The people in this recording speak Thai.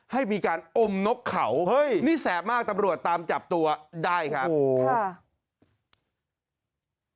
ให้มีการอมนกเขาเฮ้ยนี่แสบมากตำรวจตามจับตัวได้ครับโอ้โหค่ะ